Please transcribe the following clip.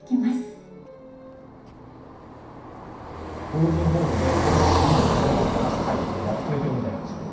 老人ホームでこれをみんなで見ながら話す会とかやってくれてるみたいなんですよ。